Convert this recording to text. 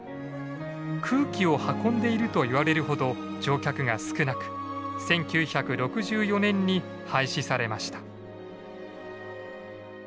「空気を運んでいる」といわれるほど乗客が少なく１９６４年に廃止されました。